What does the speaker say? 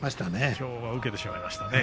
きょうは受けてしまいました。